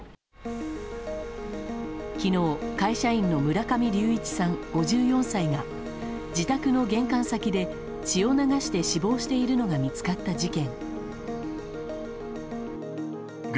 昨日、会社員の村上隆一さん５４歳が自宅の玄関先で血を流して死亡しているのが見つかった事件。